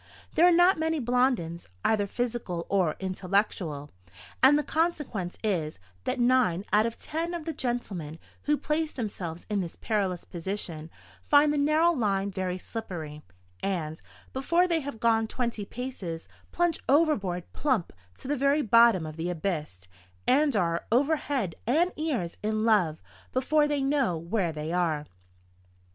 There are not many Blondins, either physical or intellectual; and the consequence is, that nine out of ten of the gentlemen who place themselves in this perilous position find the narrow line very slippery, and, before they have gone twenty paces, plunge overboard plump to the very bottom of the abyss, and are over head and ears in love before they know where they are.